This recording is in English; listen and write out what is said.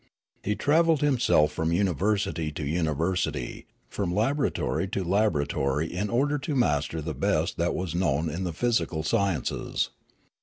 He travelled himself from university to university, from laboratory to labor atory in order to master the best that was known in the physical sciences.